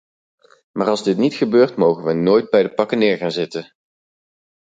Maar als dit niet gebeurt, mogen wij nooit bij de pakken neer gaan zitten.